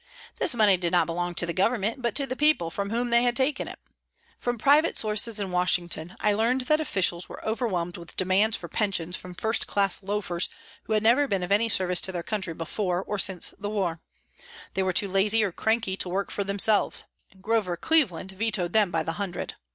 This money did not belong to the Government, but to the people from whom they had taken it. From private sources in Washington I learned that officials were overwhelmed with demands for pensions from first class loafers who had never been of any service to their country before or since the war. They were too lazy or cranky to work for themselves. Grover Cleveland vetoed them by the hundred.